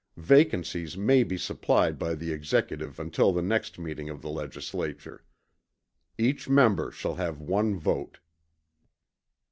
Vacancies may be supplied by the Executive until the next meeting of the Legislature. Each member shall have one vote.